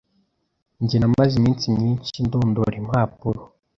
Njye namaze iminsi myinshi ndondora impapuro.